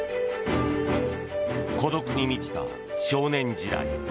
孤独に満ちた少年時代。